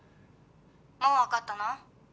「もうわかったの？